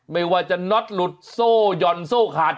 ไม่ว่าจะน็อตหลุดโซ่หย่อนโซ่ขาด